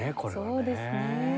そうですね。